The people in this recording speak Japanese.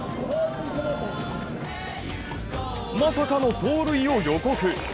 まさかの盗塁を予告。